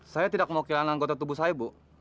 saya tidak mau kehilangan anggota tubuh saya bu